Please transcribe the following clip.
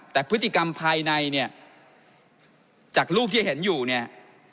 แต่พฤติกรรมภายในเนี่ยจากรูปที่เห็นอยู่เนี่ย